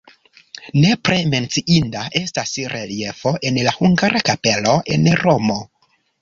Nepre menciinda estas reliefo en la hungara kapelo en Romo.